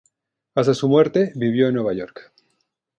Hasta su muerte, vivió en Nueva York.